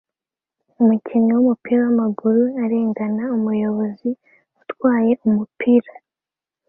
Umukinnyi wumupira wamaguru arengana umuyobozi utwaye umupira